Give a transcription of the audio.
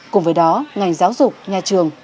cùng với đó ngành giáo dục nhà trường